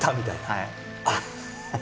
はい。